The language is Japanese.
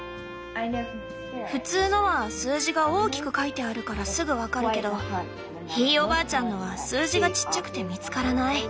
普通のは数字が大きく書いてあるからすぐ分かるけどひいおばあちゃんのは数字がちっちゃくて見つからない。